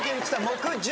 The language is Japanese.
木１０。